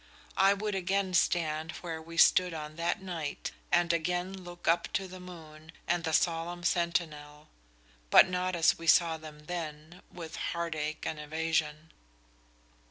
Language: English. I would again stand where we stood on that night and again look up to the moon and the solemn sentinel, but not as we saw them then, with heartache and evasion."